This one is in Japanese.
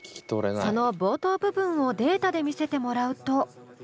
その冒頭部分をデータで見せてもらうと。